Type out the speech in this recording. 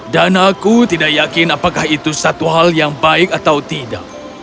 dan aku tidak yakin apakah itu satu hal yang baik atau tidak